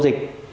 mình có thể